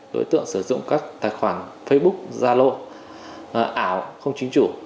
đối tượng sử dụng các tài khoản facebook zalo ảo không chính chủ